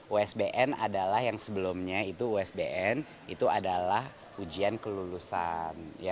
usbn adalah yang sebelumnya itu usbn itu adalah ujian kelulusan